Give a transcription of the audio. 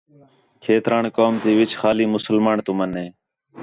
کھیتران قوم تی وِچ خالی مسلمان تُمن ہے